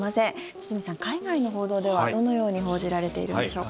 堤さん、海外の報道ではどのように報じられているんでしょうか。